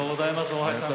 大橋さん